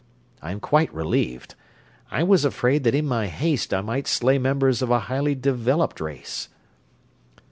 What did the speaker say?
I am quite relieved I was afraid that in my haste I might slay members of a highly developed race."